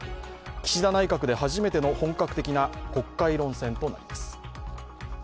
岸田内閣で初めての本格的な国会論戦となります。